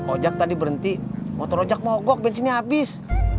ojek tadi berhenti motor ojek mogok bensinnya habis